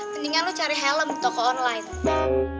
mendingan lu cari helm di toko online